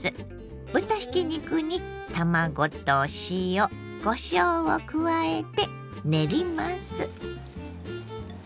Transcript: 豚ひき肉に卵と塩こしょうを加えて練ります。